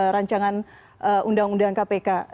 rancangan undang undang kpk